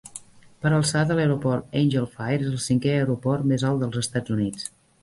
Per alçada, l'Aeroport Angel Fire es el cinquè aeroport més alt dels Estats Units.